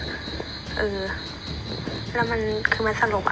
แล้วมันคือมันสลบ